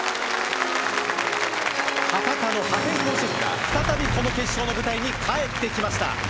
博多の破天荒シェフが再びこの決勝の舞台に帰ってきました